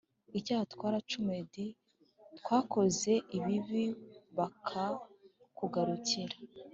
icyaha twaracumuye d twakoze ibibi bakakugarukira